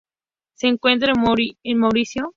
Se encuentra en Mauricio.